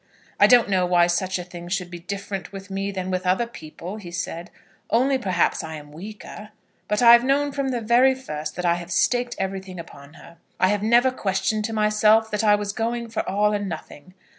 "I don't know why such a thing should be different with me than with other people," he said; "only perhaps I am weaker. But I've known from the very first that I have staked everything upon her. I have never questioned to myself that I was going for all or nothing.